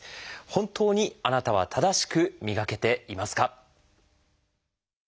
本当にあなたは正しく磨けていますか？